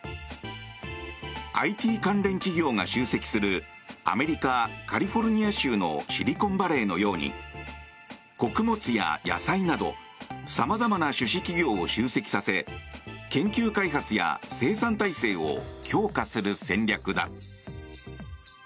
ＩＴ関連企業が集積するアメリカ・カリフォルニア州のシリコンバレーのように穀物や野菜など様々な種子企業を集積させ研究開発や生産体制を強化する戦略だ。